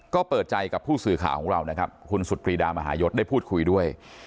ก็เปิดใจกับผู้สื่อข่าวของเรานะครับคุณสุดปรีดามหายศได้พูดคุยด้วย